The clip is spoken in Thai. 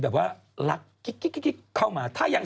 ไม่ต้องเปลี่ยนเรื่องรถแมง